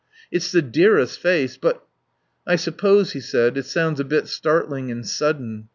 "It's the dearest face. But " "I suppose," he said, "it sounds a bit startling and sudden.